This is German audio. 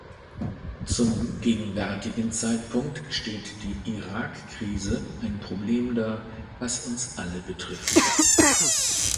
Zum gegenwärtigen Zeitpunkt stellt die Irakkrise ein Problem dar, das uns alle betrifft.